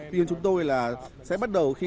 tuy nhiên chúng tôi là sẽ bắt đầu